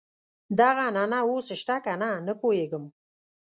دغه عنعنه اوس شته کنه نه پوهېږم.